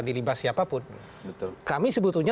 dilibas siapapun kami sebetulnya